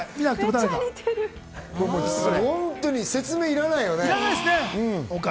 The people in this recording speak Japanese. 本当に説明いらないよね。